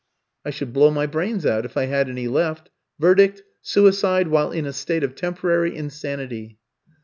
"I should blow my brains out, if I had any left. Verdict, suicide while in a state of temporary insanity."